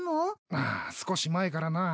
ああ少し前からな。